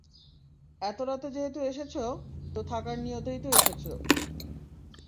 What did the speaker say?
এত রাতে যেহেতু এসেছ, তো থাকার নিয়তেই তো এসেছ।